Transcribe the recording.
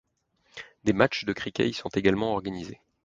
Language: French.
Des matches de cricket y sont également organisés.